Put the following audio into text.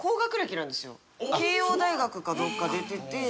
慶應大学かどこか出てて。